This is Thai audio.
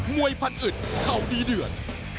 วยพันอึดเข่าดีเดือด